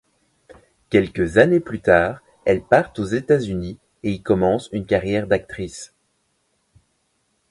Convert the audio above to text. Quelques années plus tard, elle part aux États-Unis et y commence une carrière d'actrice.